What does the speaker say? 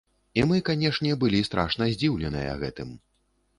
І мы, канешне, былі страшна здзіўленыя гэтым.